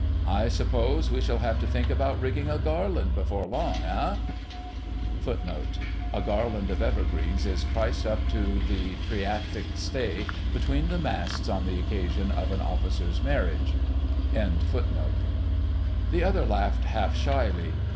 "I suppose we shall have to think about rigging a garland[#] before long, eh?" [#] A garland of evergreens is triced up to the triatic stay between the masts on the occasion of an officer's marriage. The other laughed half shyly.